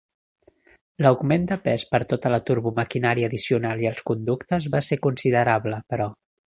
L'augment de pes per tota la turbomaquinària addicional i els conductes va ser considerable, però.